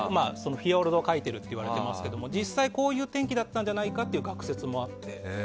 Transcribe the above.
フィヨルドを描いてるといわれてますが実際、こういう天気だったんじゃないかという学説もあって。